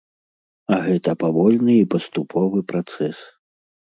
А гэта павольны і паступовы працэс.